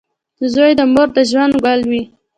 • زوی د مور د ژوند ګل وي.